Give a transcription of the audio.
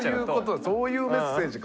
そういうメッセージか。